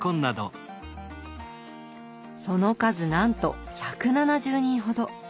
その数なんと１７０人ほど。